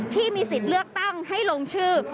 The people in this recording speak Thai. ที่มีสิทธิ์เลือกตั้งให้ลงชื่อ